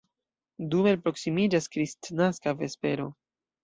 Dume alproksimiĝas kristnaska vespero.